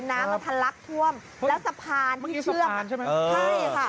น้ำมันทัลลักษณ์ท่วมแล้วสะพานเมื่อกี้สะพานใช่ไหมเออ